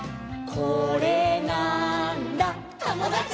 「これなーんだ『ともだち！』」